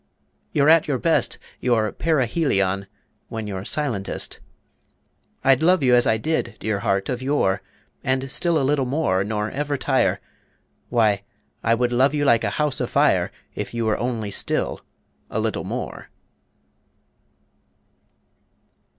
You're at your best, Your perihelion, when you're silentest. I'd love you as I did, dear heart, of yore, And still a little more, nor ever tire: Why, I would love you like a house afire If you were only still a little more.